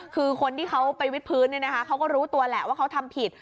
คือคนที่เขาไปวิดพื้นเขาก็รู้ตัวแหละว่าเขาทำผิด